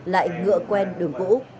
lại ngựa quen đường cũ